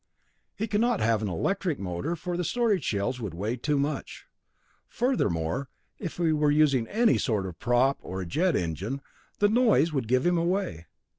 He cannot have an electric motor, for the storage cells would weigh too much. Furthermore, if he were using any sort of prop, or a jet engine, the noise would give him away.